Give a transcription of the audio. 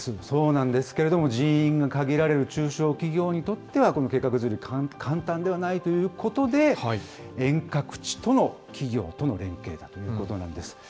そうなんですけれども、人員が限られる中小企業にとっては、この計画、簡単ではないということで、遠隔地との企業との連携ということなんです。